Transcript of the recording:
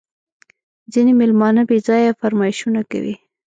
ځیني مېلمانه بېځایه فرمایشونه کوي